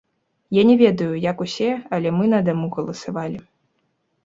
Я не ведаю, як усе, але мы на даму галасавалі.